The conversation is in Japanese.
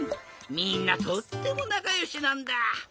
みんなとってもなかよしなんだ。